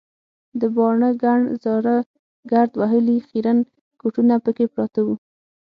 د باڼه ګڼ زاړه ګرد وهلي خیرن کټونه پکې پراته وو.